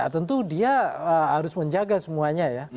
tentu dia harus menjaga semuanya ya